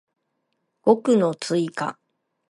語句の追加